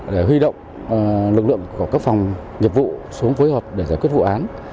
để huy động lực lượng của các phòng nhiệm vụ xuống phối hợp để giải quyết vụ án